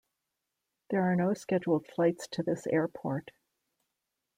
There are no scheduled flights to this airport.